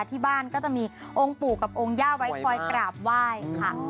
ที่บ้านก็จะมีองค์ปู่กับองค์ย่าไว้คอยกราบไหว้ค่ะ